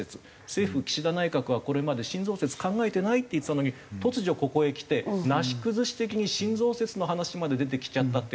政府岸田内閣はこれまで新増設考えてないって言ってたのに突如ここへきてなし崩し的に新増設の話まで出てきちゃったっていう事が一番の問題で。